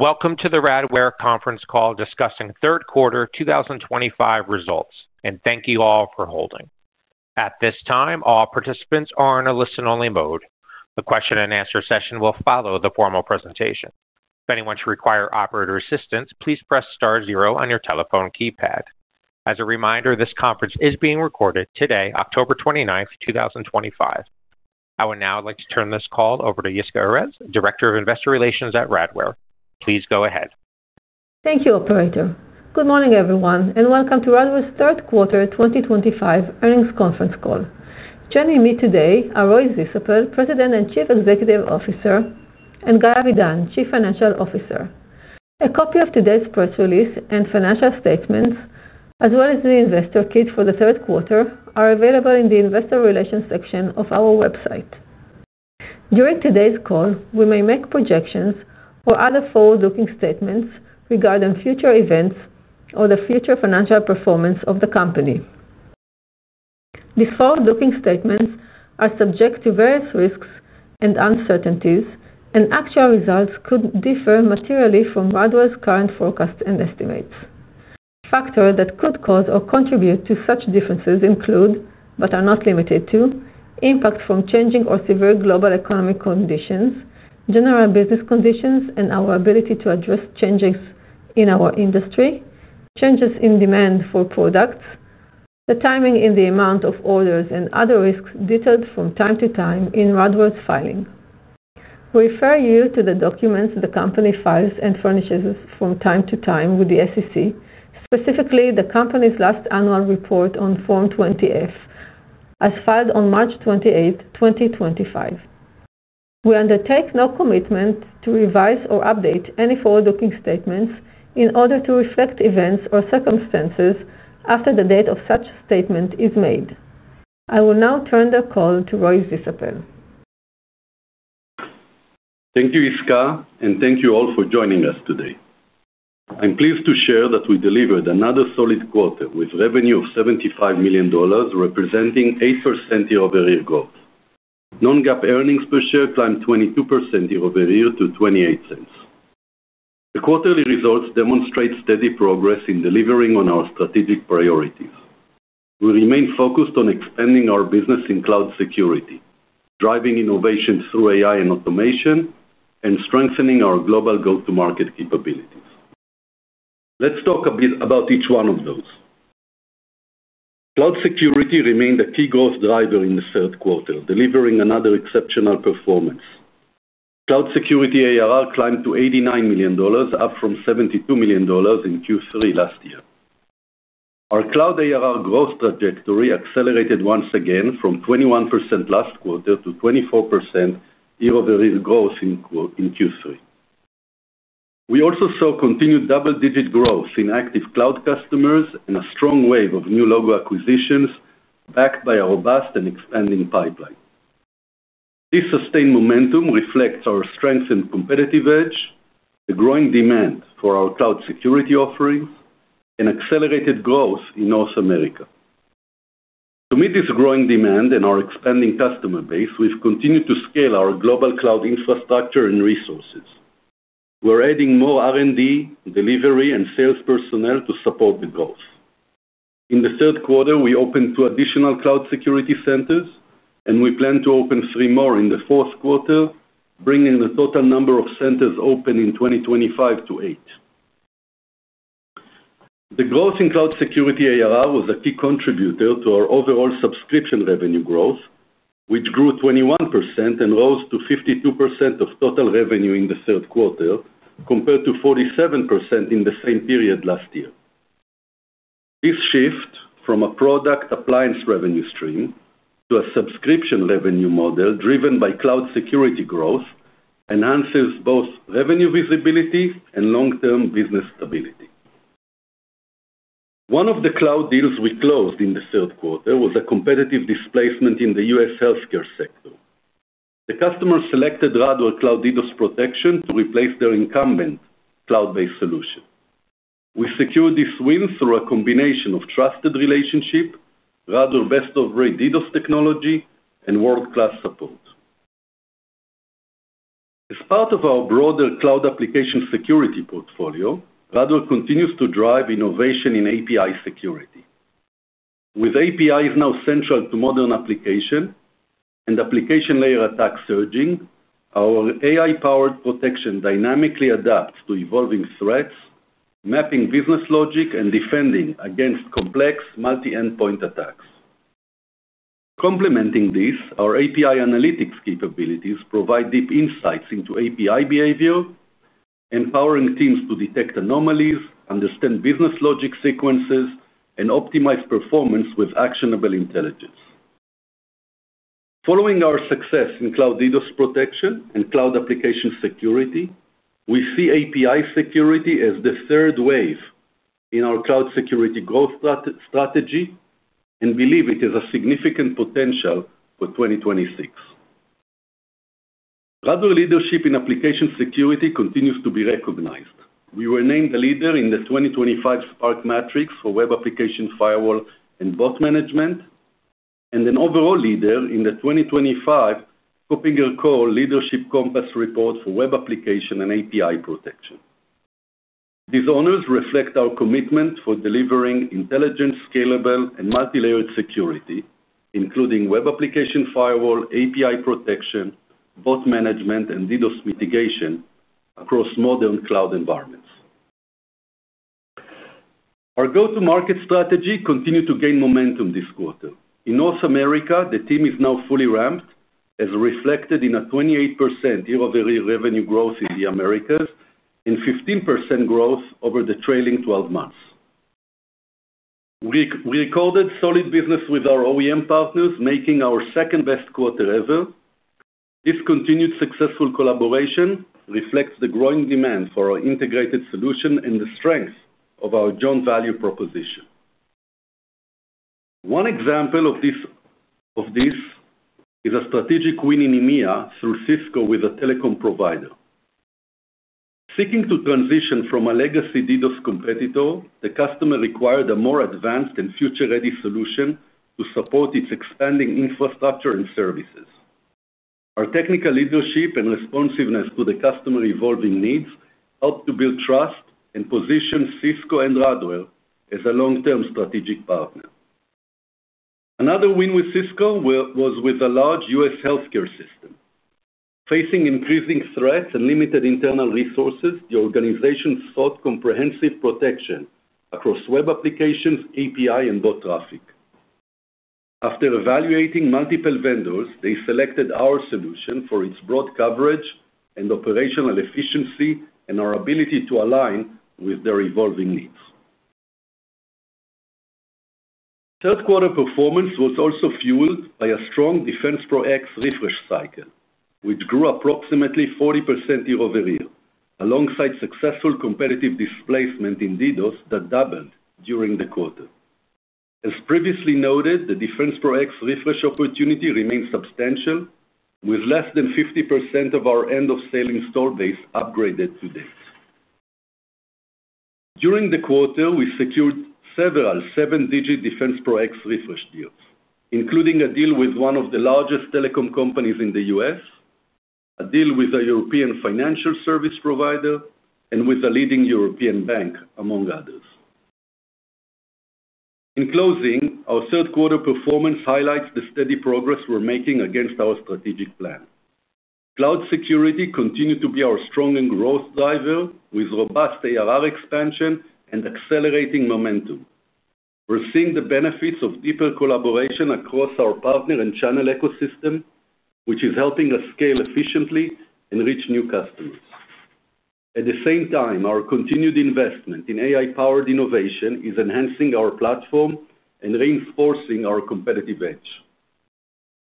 Welcome to the Radware conference call discussing third quarter 2025 results, and thank you all for holding. At this time, all participants are in a listen-only mode. The question and answer session will follow the formal presentation. If anyone should require operator assistance, please press star zero on your telephone keypad. As a reminder, this conference is being recorded today, October 29th, 2025. I would now like to turn this call over to Yisca Erez, Director of Investor Relations at Radware. Please go ahead. Thank you, operator. Good morning, everyone, and welcome to Radware's third quarter 2025 earnings conference call. Joining me today are Roy Zisapel, President and Chief Executive Officer, and Guy Avidan, Chief Financial Officer. A copy of today's press release and financial statements, as well as the Investor Kit for the third quarter, are available in the Investor Relations section of our website. During today's call, we may make projections or other forward-looking statements regarding future events or the future financial performance of the company. These forward-looking statements are subject to various risks and uncertainties, and actual results could differ materially from Radware's current forecasts and estimates. Factors that could cause or contribute to such differences include, but are not limited to, impact from changing or severe global economic conditions, general business conditions, and our ability to address changes in our industry, changes in demand for products, the timing and the amount of orders, and other risks detailed from time to time. In Radware's filings, we refer you to the documents the company files and furnishes from time to time with the SEC, specifically the company's last Annual Report on Form 20-F as filed on March 28th, 2025. We undertake no commitment to revise or update any forward-looking statements in order to reflect events or circumstances after the date such statement is made. I will now turn the call to Roy Zisapel. Thank you, Yisca and thank you all for joining us today. I'm pleased to share that we delivered another solid quarter with revenue of $75 million, representing 8% year-over-year growth. Non-GAAP earnings per share climbed 22% year-over-year to $0.28. The quarterly results demonstrate steady progress in delivering on our strategic priorities. We remain focused on expanding our business in cloud security, driving innovation through AI and automation, and strengthening our global Go-to-Market capabilities. Let's talk a bit about each one of those. Cloud security remained a key growth driver in the third quarter, delivering another exceptional performance. Cloud Security ARR climbed to $89 million, up from $72 million in Q3 last year. Our Cloud ARR growth trajectory accelerated once again from 21% last quarter to 24% year-over-year growth in Q3. We also saw continued double-digit growth in active cloud customers and a strong wave of new logo acquisition backed by a robust and expanding pipeline. This sustained momentum reflects our strengthened competitive edge, the growing demand for our cloud security offerings, and accelerated growth in North America. To meet this growing demand and our expanding customer base, we've continued to scale our global cloud infrastructure and resources. We're adding more R&D, delivery, and sales personnel to support the goals. In the third quarter, we opened two additional cloud security centers, and we plan to open three more in the fourth quarter, bringing the total number of centers open in 2025 to 2028. The growth in Cloud Security ARR was a key contributor to our overall subscription revenue growth, which grew 21% and rose to 52% of total revenue in the third quarter compared to 47% in the same period last year. This shift from a product appliance revenue stream to a subscription revenue model driven by cloud security growth enhances both revenue visibility and long-term business stability. One of the cloud deals we closed in the third quarter was a competitive displacement in the U.S. healthcare sector. The customer selected Radware cloud DDoS protection to replace their incumbent cloud-based solution. We secured this win through a combination of trusted relationship, Radware best-of-breed DDoS technology, and world-class support. As part of our broader cloud application security portfolio. Radware continues to drive innovation in API security with APIs now central to modern application and application layer attacks surging. Our AI-powered protection dynamically adapts to evolving threats, mapping business logic and defending against complex multi-endpoint attacks. Complementing this, our API analytics capabilities provide deep insights into API behavior, empowering teams to detect anomalies, understand business logic sequences, and optimize performance with actionable intelligence. Following our success in cloud DDoS protection and cloud application security, we see API security as the third wave in our cloud security growth strategy and believe it has significant potential for 2026. Radware leadership in application security continues to be recognized. We were named the leader in the 2025 SPARK Matrix for Web Application Firewall and Bot Management and an overall leader in the 2025 KuppingerCole Leadership Compass Report for Web Application and API Protection. These honors reflect our commitment to delivering intelligent, scalable, and multi-layered security including web application firewall, API protection, bot management, and DDoS mitigation across modern cloud environments. Our Go-to-Market strategy continued to gain momentum this quarter in North America. The team is now fully ramped as reflected in a 28% year-over-year revenue growth in the Americas and 15% growth over the trailing 12 months. We recorded solid business with our OEM partners, making our second best quarter ever. This continued successful collaboration reflects the growing demand for our integrated solution and the strength of our joint value proposition. One example of this is a strategic win in EMEA through Cisco with a telecom provider seeking to transition from a legacy DDoS competitor, the customer required a more advanced and future-ready solution to support its expanding infrastructure and services. Our technical leadership and responsiveness to the customer's evolving needs has helped to build trust and position Cisco and Radware as a long-term strategic partner. Another win with Cisco was with a large U.S. healthcare system. Facing increasing threats and limited internal resources, the organization sought comprehensive protection across web applications, API, and bot traffic. After evaluating multiple vendors, they selected our solution for its broad coverage and operational efficiency and our ability to align with their evolving needs. Third quarter performance was also fueled by a strong DefensePro X refresh cycle, which grew approximately 40% year-over-year alongside successful competitive displacement in DDoS that doubled during the quarter. As previously noted, the DefensePro X refresh opportunity remains substantial with less than 50% of our end-of-sale install base upgraded to date. During the quarter, we secured several seven-digit DefensePro X refresh deals, including a deal with one of the largest telecom companies in the U.S., a deal with a European financial service provider, and with a leading European bank, among others. In closing, our third quarter performance highlights the steady progress we're making against our strategic plan. Cloud security continued to be our strong and growth driver. With robust ARR expansion and accelerating momentum, we're seeing the benefits of deeper collaboration across our partner and channel ecosystem, which is helping us scale efficiently and reach new customers. At the same time, our continued investment in AI-powered innovation is enhancing our platform and reinforcing our competitive edge.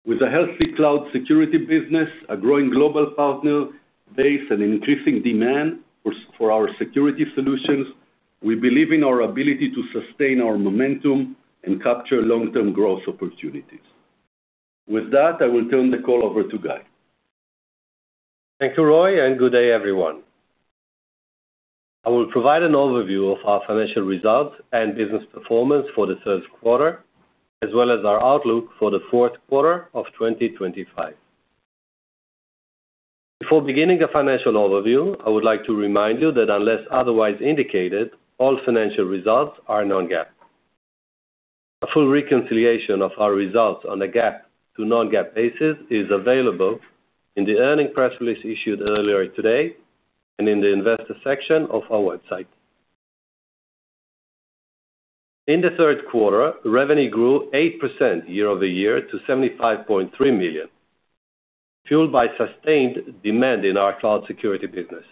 With a healthy cloud security business, a growing global partner base, and increasing demand for our security solutions, we believe in our ability to sustain our momentum and capture long-term growth opportunities. With that, I will turn the call over to Guy. Thank you, Roy, and good day everyone. I will provide an overview of our financial results and business performance for the third quarter as well as our outlook for the fourth quarter of 2025. Before beginning a financial overview, I would like to remind you that unless otherwise indicated, all financial results are non-GAAP. A full reconciliation of our results on a GAAP to non-GAAP basis is available in the earnings press release issued earlier today and in the Investor section of our website. In the third quarter, revenue grew 8% year-over-year to $75.3 million, fueled by sustained demand in our cloud security business.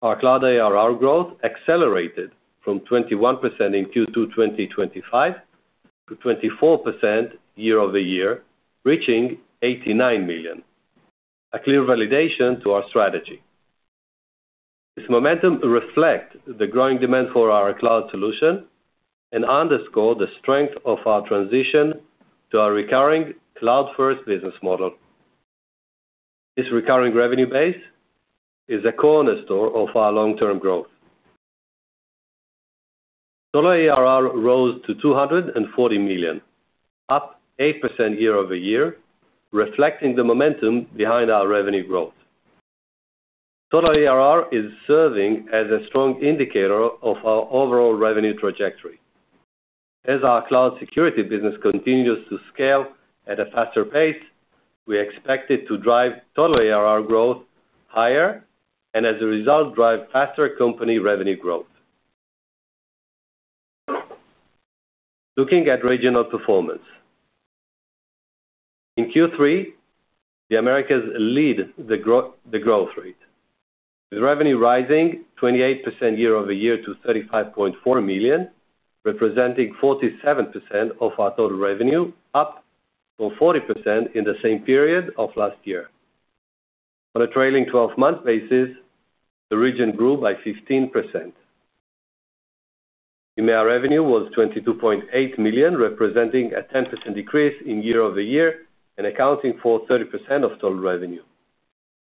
Our Cloud ARR growth accelerated from 21% in Q2 2025 to 24% year-over-year, reaching $89 million, a clear validation to our strategy. This momentum reflects the growing demand for our cloud solution and underscores the strength of our transition to our recurring cloud-first business model. This recurring revenue base is a cornerstone of our long-term growth. Total ARR rose to $240 million, up 8% year-over-year, reflecting the momentum behind our revenue growth. Total ARR is serving as a strong indicator of our overall revenue trajectory. As our cloud security business continues to scale at a faster pace. We expect it to drive total ARR growth higher and as a result drive faster company revenue growth. Looking at regional performance in Q3, the Americas lead the growth rate with revenue rising 28% year-over-year to $35.4 million, representing 47% of our total revenue, up from 40% in the same period of last year. On a trailing 12-month basis, the region grew by 15%. EMEA revenue was $22.8 million, representing a 10% decrease year-over-year and accounting for 30% of total revenue.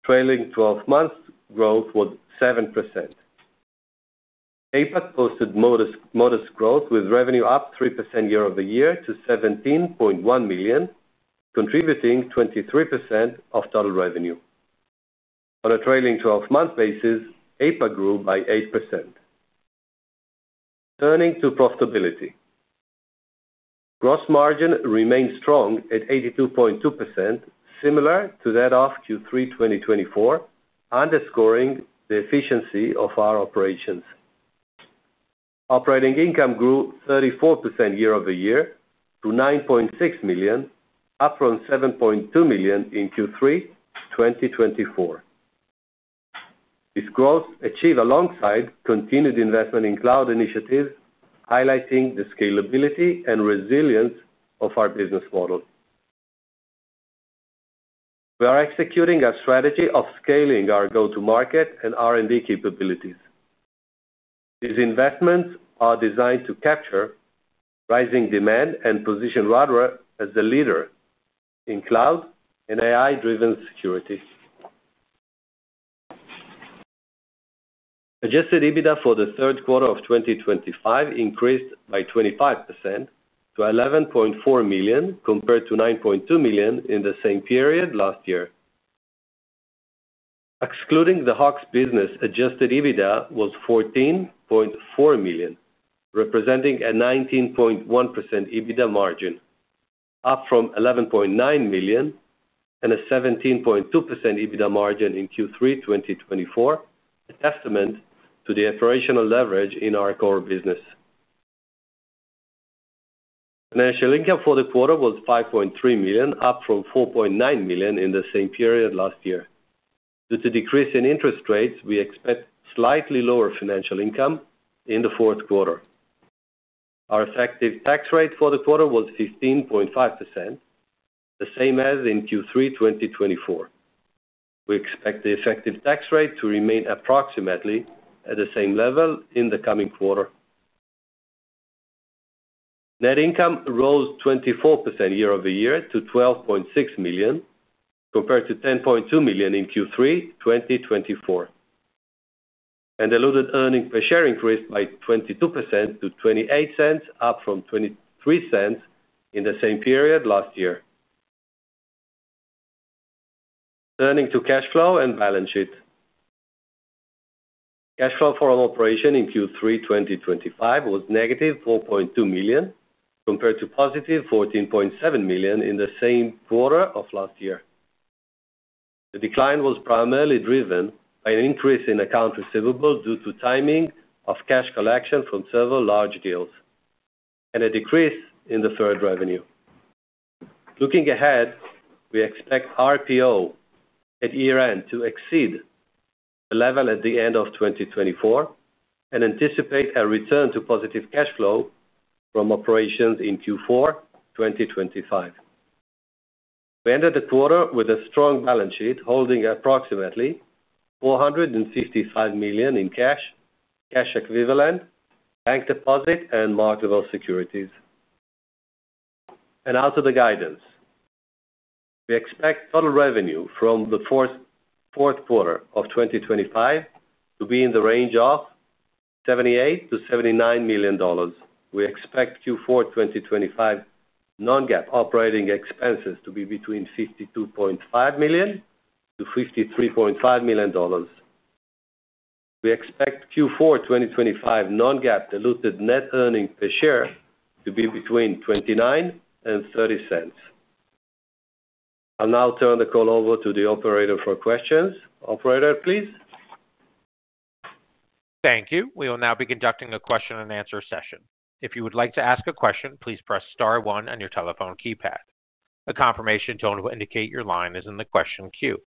Trailing 12-months growth was 7%. APAC posted modest growth with revenue up 3% year-over-year to $17.1 million, contributing 23% of total revenue. On a trailing 12-month basis, APAC grew by 8%. Turning to profitability, gross margin remained strong at 82.2%, similar to that of Q3 2024, underscoring the efficiency of our operations. Operating income grew 34% year-over-year to $9.6 million, up from $7.2 million in Q3 2024. This growth achieved alongside continued investment in cloud initiatives, highlighting the scalability and resilience of our business model. We are executing our strategy of scaling our Go-to-Market and R&D capabilities. These investments are designed to capture rising demand and position Radware as the leader in cloud and AI-driven security. Adjusted EBITDA for the third quarter of 2025 increased by 25% to $11.4 million compared to $9.2 million in the same period last year. Excluding the Hawkes business, adjusted EBITDA was $14.4 million, representing a 19.1% EBITDA margin, up from $11.9 million and a 17.2% EBITDA margin in Q3 2024, a testament to the operational leverage in our core business. Financial income for the quarter was $5.3 million, up from $4.9 million in the same period last year. Due to a decrease in interest rates, we expect slightly lower financial income in the fourth quarter. Our effective tax rate for the quarter was 15.5%, the same as in Q3 2024. We expect the effective tax rate to remain approximately at the same level in the coming quarter. Net income rose 24% year-over-year to $12.6 million compared to $10.2 million in Q3 2024, and diluted earnings per share increased by 22% to $0.28, up from $0.23 in the same period last year. Turning to cash flow and balance sheet, cash flow from operations in Q3 2025 was -$4.2 million compared to +$14.7 million in the same quarter of last year. The decline was primarily driven by an increase in accounts receivable due to timing of cash collection from several large deals and a decrease in deferred revenue. Looking ahead, we expect RPO at year-end to exceed the level at the end of 2024 and anticipate a return to positive cash flow from operations in Q4 2025. We ended the quarter with a strong balance sheet holding approximately $455 million in cash, cash equivalents, bank deposits, and marketable securities. Now to the guidance. We expect total revenue for the fourth quarter of 2025 to be in the range of $78 million-$79 million. We expect Q4 2025 non-GAAP operating expenses to be between $52.5 million and $53.5 million. We expect Q4 2025 non-GAAP diluted net earnings per share to be between $0.29 and $0.30. I'll now turn the call over to the operator for questions. Operator, please. Thank you. We will now be conducting a question and answer session. If you would like to ask a question, please press star one on your telephone keypad. A confirmation tone will indicate your line is in the question queue.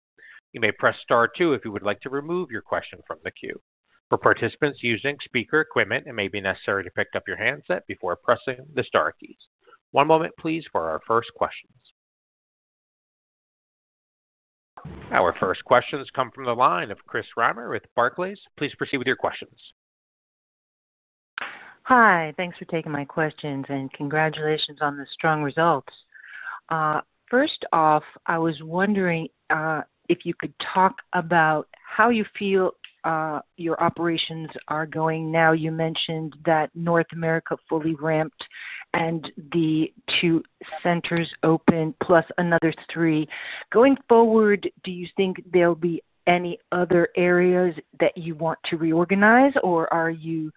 You may press star two if you would like to remove your question from the queue. For participants using speaker equipment, it may be necessary to pick up your handset before pressing the star keys. One moment please for our first questions. Our first questions come from the line of [Chris Reimer] with Barclays. Please proceed with your questions. Hi. Thanks for taking my questions and congratulations on the strong results. First off, I was wondering if you could talk about how you feel your operations are going now. You mentioned that North America fully ramped and the two centers open, plus another three going forward. Do you think there will be any other areas that you want to reorganize or are you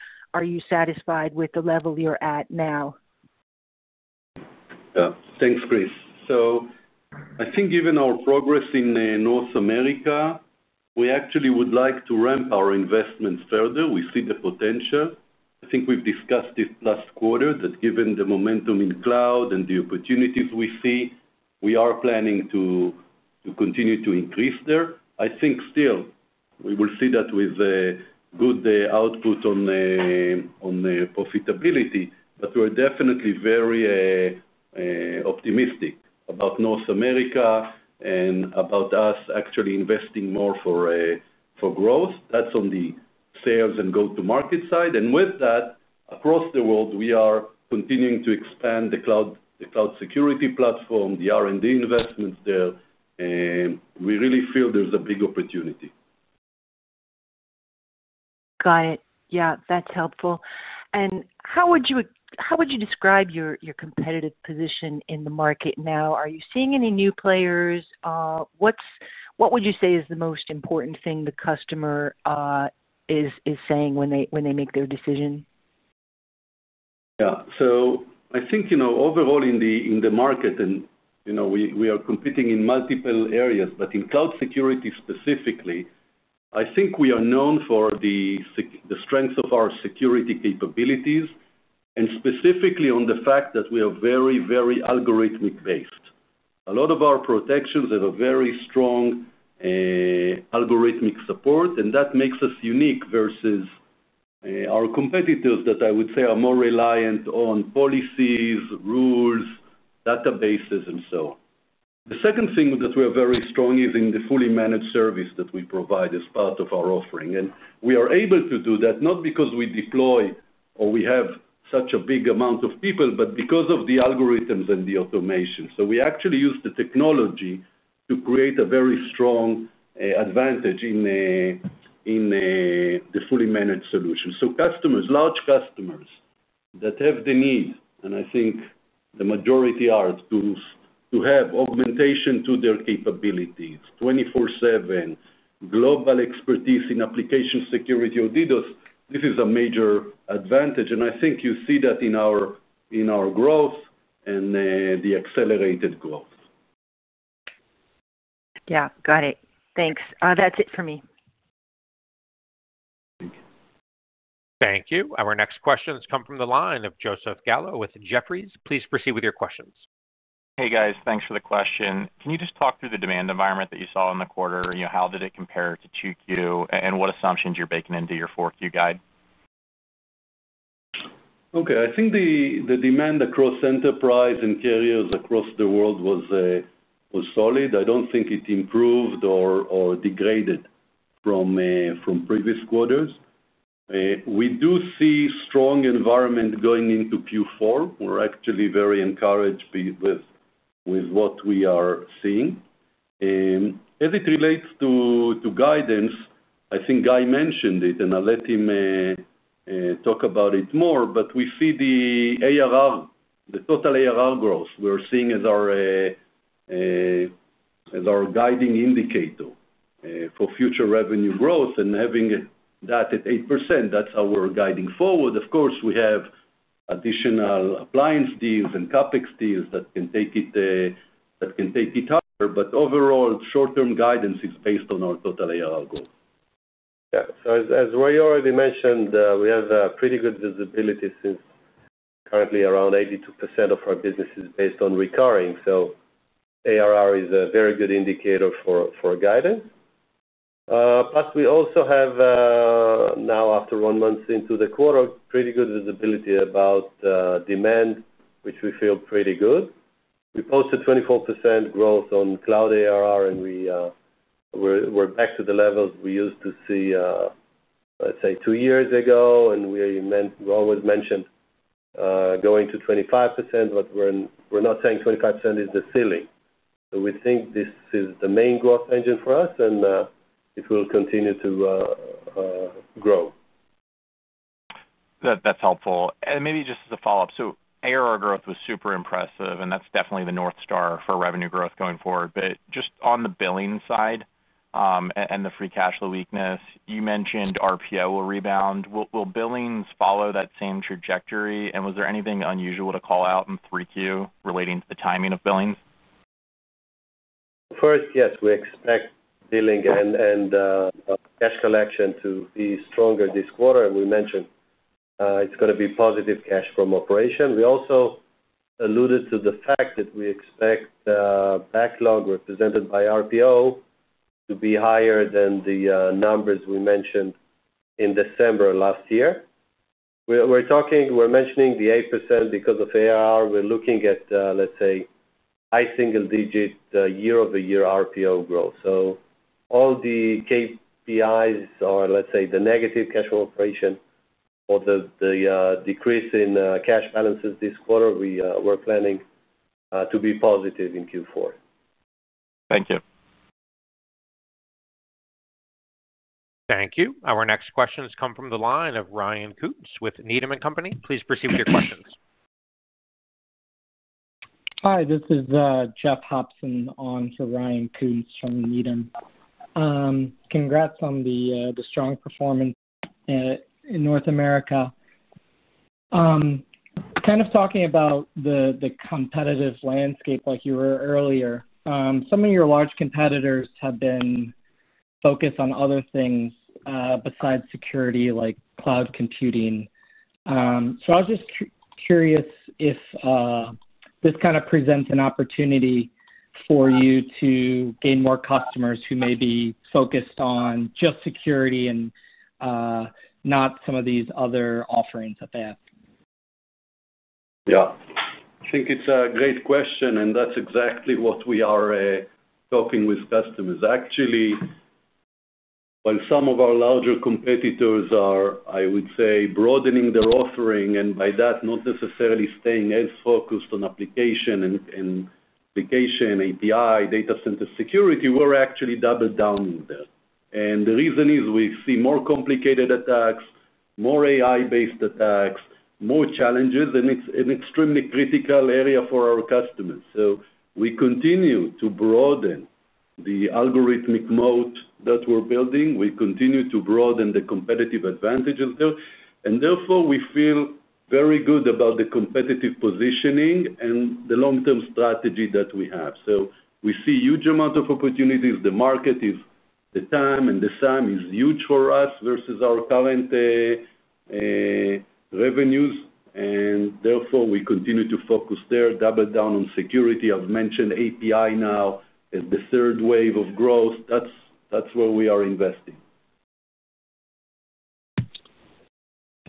satisfied with the level you're at now. Thanks, Chris. I think given our progress in North America, we actually would like to ramp our investments further. We see the potential, I think we've discussed it last quarter that given the momentum in cloud and the opportunities we see, we are planning to continue to increase there. I think still we will see that with good output on profitability. We are definitely very optimistic about North America and about us actually investing more for growth. That's on the sales and go to market side. With that across the world, we are continuing to expand the cloud security platform, the R&D investments there. We really feel there's a big opportunity. Got it. Yeah, that's helpful. How would you describe your competitive position in the market now? Are you seeing any new players? What would you say is the most important thing the customer is saying when they make their decision? Yeah, I think you know, overall in the market, we are competing in multiple areas, but in cloud security specifically, I think we are known for the strength of our security capabilities and specifically on the fact that we are very, very algorithmic based. A lot of our protections have a very strong algorithmic support, and that makes us unique versus our competitors that I would say are more reliant on policies, rules, databases, and so on. The second thing that we are very strong in is the fully managed service that we provide as part of our offering. We are able to do that not because we deploy or we have such a big amount of people, but because of the algorithms and the automation. We actually use the technology to create a very strong advantage in the fully managed solution. Customers, large customers that have the need, and I think the majority are, to have augmentation to their capabilities, 24/7 global expertise in application security, audit, DDoS. This is a major advantage, and I think you see that in our growth and the accelerated growth. Got it. Thanks. That's it for me. Thank you. Our next questions come from the line of Joseph Gallo with Jefferies. Please proceed with your questions. Hey guys, thanks for the question. Can you just talk through the demand environment that you saw in the quarter? How did it compare to 2Q, and what assumptions you're baking into your 4Q guide? Okay. I think the demand across enterprise and carriers across the world was, I don't think it improved or degraded from previous quarters. We do see strong environment going into Q4. We're actually very encouraged with what we are seeing as it relates to guidance. I think Guy mentioned it and I'll let him talk about it more. We see the arrangement, the total ARR growth we're seeing as our guiding indicator for future revenue growth and having that at 8%. That's our guiding forward. Of course, we have additional appliance deals and CapEx deals that can take it up. Overall, short term guidance is based on our total ARR goal. As Roy already mentioned, we have pretty good visibility since currently around 82% of our business is based on recurring. ARR is a very good indicator for guidance. Plus we also have now, after one month into the quarter, pretty good visibility about demand, which we feel pretty good. We posted 24% growth on Cloud ARR and we're back to the levels we used to see say two years ago. We always mentioned going to 25% but we're not saying 25% is the ceiling. We think this is the main growth engine for us and it will continue to grow. That's helpful and maybe just as a follow up. ARR growth was super impressive and that's definitely the north star for revenue growth going forward. Just on the billing side and the free cash flow weakness you mentioned, RPO will rebound. Will billings follow that same trajectory? Was there anything unusual to call out in 3Q relating to the timing of billings? First, yes, we expect billing and cash collection to be stronger this quarter, and we mentioned it's going to be positive cash from operation. We also alluded to the fact that we expect backlog represented by RPO to be higher than the numbers we mentioned in December last year. We're mentioning the 8% because of ARR. We're looking at, let's say, high single digit year-over-year RPO growth. All the KPIs or the negative cash flow operation or the decrease in cash balances this quarter, we were planning to be positive in Q4. Thank you. Thank you. Our next questions come from the line of Ryan Koontz with Needham & Company. Please proceed with your questions. Hi, this is Jeff Hopson on for Ryan Boyer Koontz from Needham. Congrats on the strong performance in North America. Kind of talking about the competitive landscape like you were earlier. Some of your large competitors have been focused on other things besides security like cloud computing. I was just curious if this kind of presents an opportunity for you to gain more customers who may be focused on just security and not some of these other offerings that they have. Yeah, I think it's a great question and that's exactly what we are talking with customers. Actually, while some of our larger competitors are, I would say, broadening their offering and by that not necessarily staying as focused on application and application API data center security, we're actually double down there. The reason is we see more complicated attacks, more AI-based attacks, more challenges, and it's an extremely critical area for our customers. We continue to broaden the algorithmic mode that we're building, we continue to broaden the competitive advantages there, and therefore we feel very good about the competitive positioning and the long-term strategy that we have. We see huge amount of opportunities. The market is the time and the sum is huge for us versus our current revenues, and therefore we continue to focus there, double down on security. I've mentioned API now as the third wave of growth. That's where we are investing.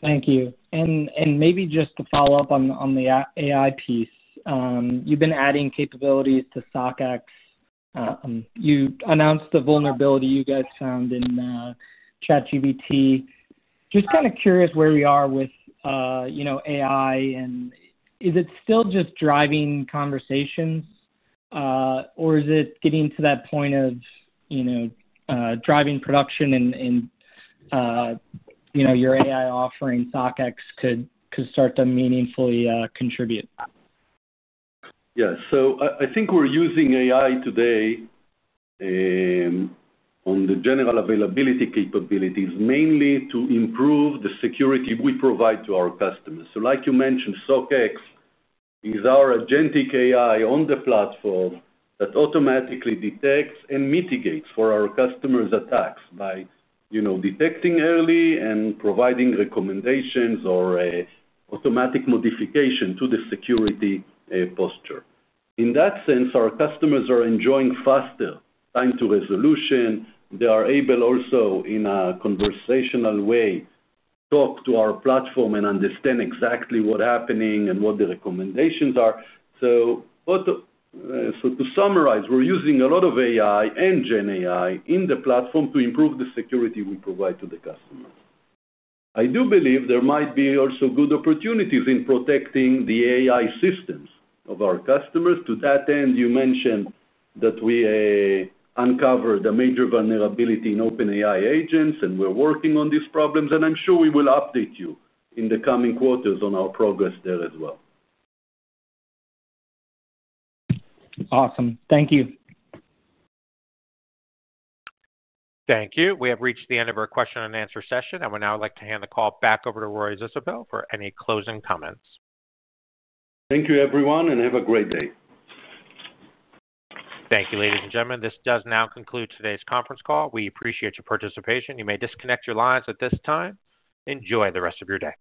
Thank you. Maybe just to follow up on the AI piece, you've been adding capabilities to SOC X. You announced the vulnerability you guys found in ChatGPT. I'm just kind of curious where we are with, you know, AI and is it still just driving conversations or is it getting to that point of driving production? Your AI offering, SOC X, could start to meaningfully contribute. Yes. I think we're using AI today on the general availability capabilities mainly to improve the security we provide to our customers. Like you mentioned, SOC X is our agentic AI on the platform that automatically detects and mitigates for our customers attacks by detecting early and providing recommendations or automatic modification to the security posture. In that sense, our customers are enjoying faster time to resolution. They are able also in a conversational way, talk to our platform and understand exactly what is happening and what the recommendations are. To summarize, we're using a lot of AI and gen AI in the platform to improve the system security we provide to the customer. I do believe there might be also good opportunities in protecting the AI systems of our customers. To that end, you mentioned that we uncovered a major vulnerability in OpenAI agents and we're working on these problems and I'm sure we will update you in the coming quarters on our progress there as well. Awesome. Thank you. Thank you. We have reached the end of our question and answer session and would now like to hand the call back over to Roy Zisapel for any closing comments. Thank you everyone, and have a great day. Thank you. Ladies and gentlemen, this does now conclude today's conference call. We appreciate your participation. You may disconnect your lines at this time. Enjoy the rest of your day.